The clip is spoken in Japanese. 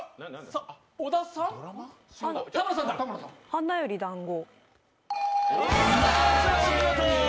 「花より男子」。